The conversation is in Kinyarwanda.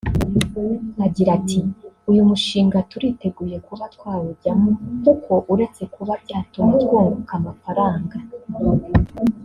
Agira ati “Uyu mushinga turiteguye kuba twawujyamo kuko uretse kuba byatuma twunguka amafaranga